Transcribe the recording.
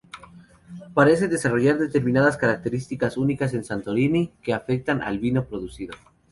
Parece desarrollar determinadas características únicas en Santorini, que afectan al vino producido.